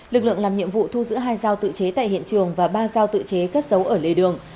lực lượng làm nhiệm vụ thu giữ hai dao tự chế tại hiện trường và ba dao tự chế cất giấu ở lề đường